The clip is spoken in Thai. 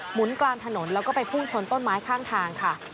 กลางถนนแล้วก็ไปพุ่งชนต้นไม้ข้างทางค่ะ